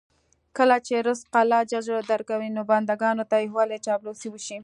کله چې رزق الله ج درکوي، نو بندګانو ته یې ولې چاپلوسي وشي.